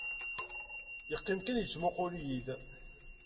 Yeqqim kan yettmuqqul-iyi-d.